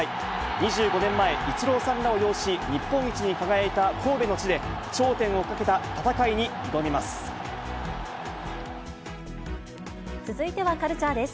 ２５年前、イチローさんらを擁し、日本一に輝いた神戸の地で、頂点をかけた続いてはカルチャーです。